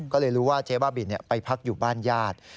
ก็เลยรู้ว่าเจ๊บ้าบินไปพักอยู่บ้านญาติ